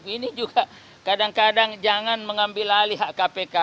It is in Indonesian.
ini juga kadang kadang jangan mengambil alih hak kpk